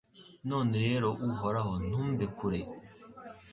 None rero Uhoraho ntumbe kure